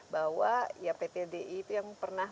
bahwa ya pt di itu yang pernah